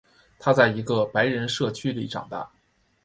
他在一个白人社区里长大。